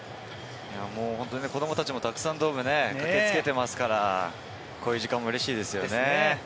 子どもたちもたくさんドームに駆けつけていますから、こういう時間もうれしいですよね。